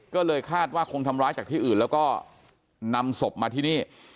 ก็เลยคาดว่าคงทำร้ายจากที่อื่นแล้วก็นำศพมาที่นี่